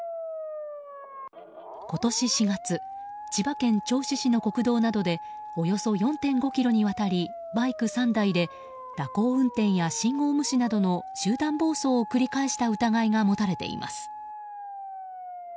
今年４月千葉県銚子市の国道などでおよそ４．５ｋｍにわたりバイク３台で蛇行運転や信号無視などの集団暴走を繰り返した疑いが持たれています。